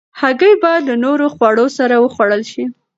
هګۍ باید له نورو خوړو سره وخوړل شي.